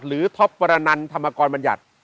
หรือท็อปประนันธรรมกรมัญญัติ